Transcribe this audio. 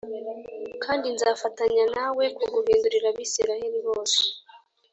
kandi nzafatanya nawe kuguhindūrira Abisirayeli bose.